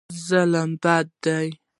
ظلم بد دی.